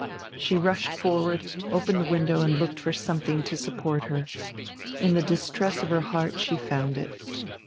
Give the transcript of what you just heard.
She rushed forward, opened the window and looked for some thing to support her. In die distress of her heart she found it.